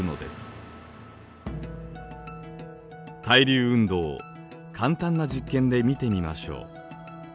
対流運動を簡単な実験で見てみましょう。